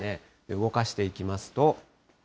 動かしていきますと。